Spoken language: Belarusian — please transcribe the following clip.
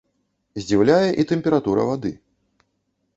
Здзіўляе і тэмпература вады.